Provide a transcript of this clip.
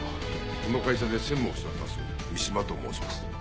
この会社で専務をしております三島と申します。